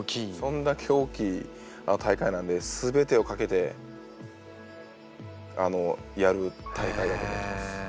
そんだけ大きい大会なんで全てを懸けてやる大会だと思ってます。